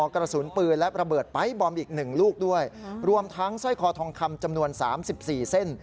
กระสุนปืนและระเบิดไป๊บอมอีกหนึ่งลูกด้วยรวมทั้งสร้อยคอทองคำจำนวน๓๔เส้น